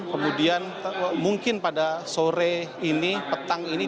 kemudian mungkin pada sore ini petang ini